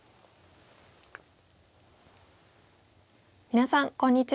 皆さんこんにちは。